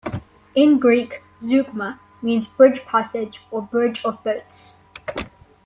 In Greek, "zeugma" means "bridge-passage" or "bridge of boats".